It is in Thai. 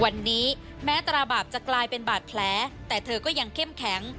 วันนี้แม้ตราบาปจะกลายเป็นบาดแผลแต่เธอก็ยังเข้มแข็ง